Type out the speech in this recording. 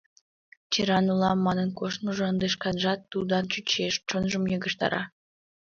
«Черан улам» манын коштмыжо ынде шканжат удан чучеш, чонжым йыгыжтара...